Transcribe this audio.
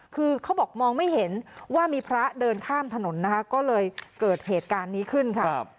คือเขาบอกมองไม่เห็นว่ามีพระเดินข้ามถนนนะคะก็เลยเกิดเหตุการณ์นี้ขึ้นค่ะ